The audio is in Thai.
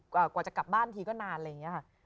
กว่าจะกลับบ้านทีก็นานอะไรอย่างนี้ค่ะ